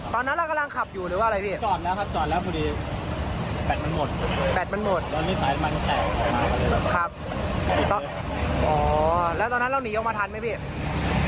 บ้านอยู่ไกลไหมผมออกว่าตำนัด